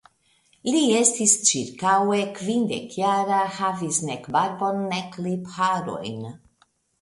Li estis ĉirkaŭe kvindekjara, havis nek barbon nek lipharojn.